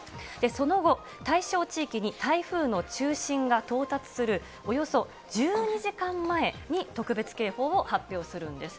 その後、対象地域に台風の中心が到達するおよそ１２時間前に特別警報を発表するんです。